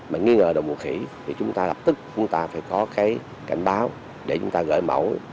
mà nghi ngờ đồng mùa khỉ thì chúng ta lập tức phải có cảnh báo để chúng ta gửi mẫu